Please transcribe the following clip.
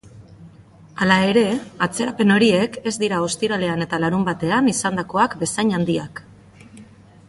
Hala ere, atzerapen horiek ez dira ostiralean eta larunbatean izandakoak bezain handiak.